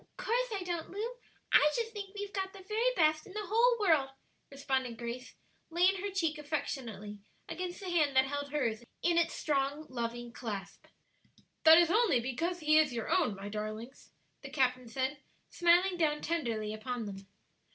"'Course I don't, Lu; I just think we've got the very best in the whole world," responded Grace, laying her cheek affectionately against the hand that held hers in its strong, loving clasp. "That is only because he is your own, my darlings," the captain said, smiling down tenderly upon them.